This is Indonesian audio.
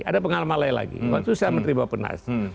ada pengalaman lain lagi waktu saya menerima penas